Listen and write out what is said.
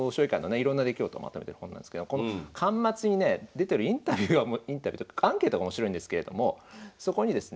いろんな出来事まとめてる本なんですけどこの巻末にね出てるインタビューがアンケートが面白いんですけれどもそこにですね